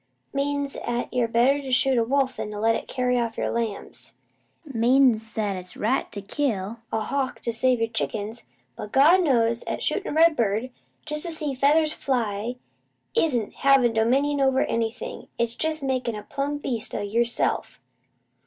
Means 'at you better shoot a wolf than to let it carry off your lambs. Means, at it's right to kill a hawk an' save your chickens; but God knows 'at shootin' a redbird just to see the feathers fly isn't having dominion over anything; it's jest makin' a plumb beast o' YERSELF.